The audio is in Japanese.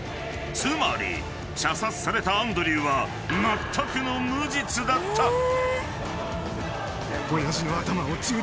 ［つまり射殺されたアンドリューはまったくの無実だった］